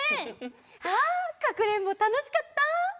ああかくれんぼたのしかった。